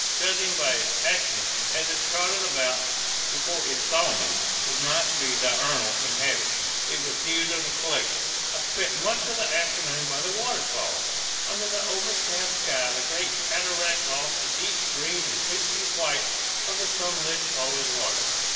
Judging by its actions, as it trotted about before it saw me, it must be diurnal in habits. It was new to the collection. I spent much of the afternoon by the waterfall. Under the overcast sky the great cataract lost the deep green and fleecy white of the sunlit falling waters.